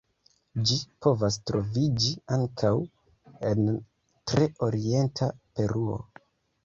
Ĝi povas troviĝi ankaŭ en tre orienta Peruo.